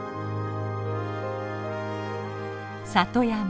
里山。